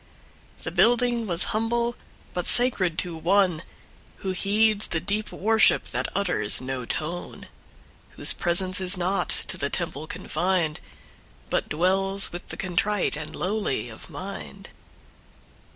The building was humble, but sacred to OneWho heeds the deep worship that utters no tone; Whose presence is not to the temple confined, But dwells with the contrite and lowly of mind.